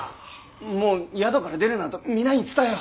もう宿から出るなと皆に伝えよ。